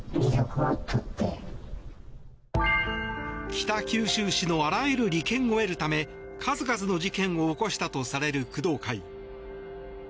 北九州市のあらゆる利権を得るため数々の事件を起こしたとされる工藤会。